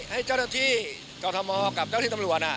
ให้เจ้าหน้าที่จักรธรมศาสตร์กับเจ้าหน้าที่ตำรวจ